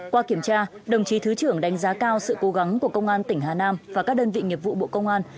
qua kiểm tra đồng chí thứ trưởng đánh giá cao sự cố gắng của công an tỉnh hà nam và các đơn vị nghiệp vụ bộ công an